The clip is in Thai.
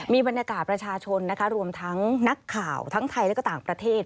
มีบรรยากาศประชาชนนะคะรวมทั้งนักข่าวทั้งไทยและก็ต่างประเทศ